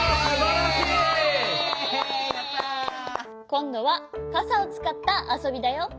こんどはかさをつかったあそびだよ。